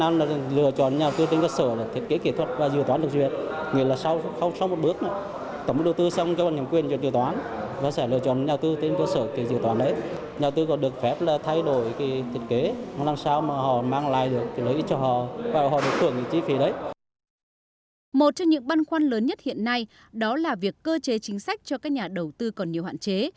một trong những băn khoăn lớn nhất hiện nay đó là việc cơ chế chính sách cho các nhà đầu tư còn nhiều hạn chế